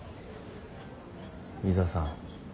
井沢さん